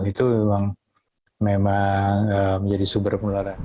itu memang menjadi sumber penularan